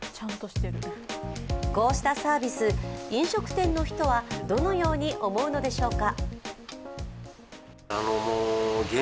こうしたサービス飲食店の人はどのように思うのでしょうか。